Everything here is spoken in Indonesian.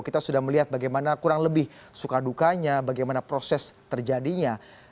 kita sudah melihat bagaimana kurang lebih suka dukanya bagaimana proses terjadinya